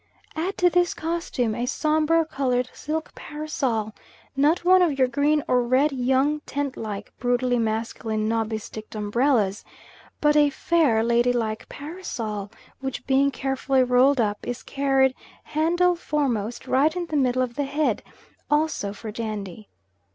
Add to this costume a sober coloured silk parasol, not one of your green or red young tent like, brutally masculine, knobby sticked umbrellas, but a fair, lady like parasol, which, being carefully rolled up, is carried handle foremost right in the middle of the head, also for dandy.